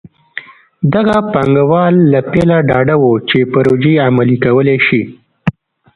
دغه پانګوال له پیله ډاډه وو چې پروژې عملي کولی شي.